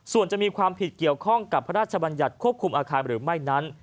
ส่วนจะมีความผิดเกี่ยวข้องกับพระราชบัญญัติควบคุมอาคารหรือไม่นั้น